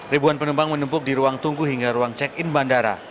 ribuan penumpang menumpuk di ruang tunggu hingga ruang check in bandara